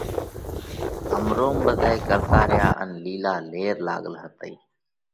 همروم ٻڌائي ڪرتات ريا ان لِيلا لير لاڳل هتئِي۔